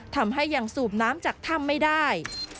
ทำให้ยังสูบน้ำจากถ้ำไม่ได้